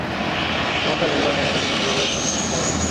তখন তাঁর মেজো ভাই মোহাম্মদ আলী বিদ্রোহ করে মনোনয়নপত্র জমা দিয়েছিলেন।